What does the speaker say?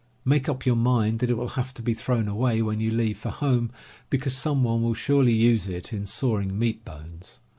Make up your mind that it will have to be thrown away when you leave for home, because some one will surely use it in sawing meat bones.